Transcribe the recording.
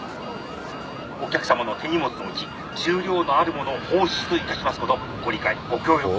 お客さまの手荷物のうち重量のあるものを放出いたしますことご理解ご協力を。